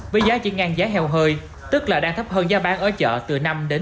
với giá chỉ ngang giá heo hơi tức là đang thấp hơn giá bán ở chợ từ năm một mươi